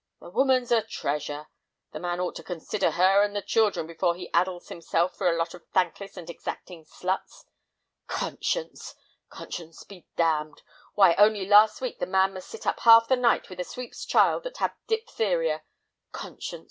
"The woman's a treasure. The man ought to consider her and the children before he addles himself for a lot of thankless and exacting sluts. Conscience! Conscience be damned. Why, only last week the man must sit up half the night with a sweep's child that had diphtheria. Conscience!